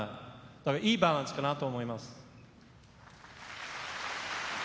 いいバランスかなと思います。